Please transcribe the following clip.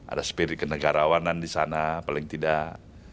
ada spirit kenegarawanan di sana paling tidak